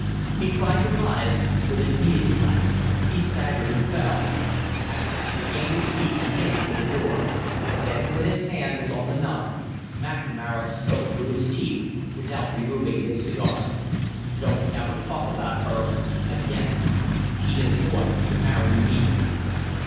He tried to rise, but his knees relaxed; he staggered and fell. At last he gained his feet and made for the door; then, when his hand was on the knob, McNamara spoke through his teeth, without removing his cigar. "Don't ever talk about her again. She is going to marry me."